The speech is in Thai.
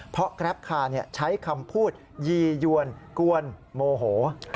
เพราะแกรปคาร์ใช้คำพูดยี่ยวนกวนโมโห